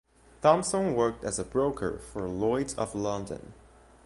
Thompson worked as a broker for Lloyd's of London.